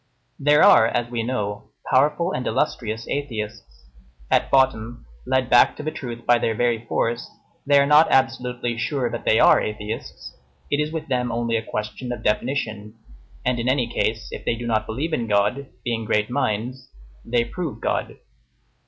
There are, as we know, powerful and illustrious atheists. At bottom, led back to the truth by their very force, they are not absolutely sure that they are atheists; it is with them only a question of definition, and in any case, if they do not believe in God, being great minds, they prove God.